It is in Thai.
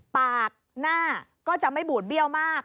ปากหน้าก็จะไม่บูดเบี้ยวมาก